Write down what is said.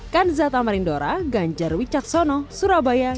kanzatamarindora ganjarwicaksono surabaya